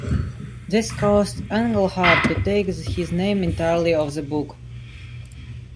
This caused Englehart to take his name entirely off the book.